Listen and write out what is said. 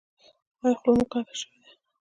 ایا خوله مو کوږه شوې ده؟